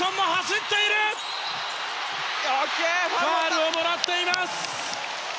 ファウルをもらっています。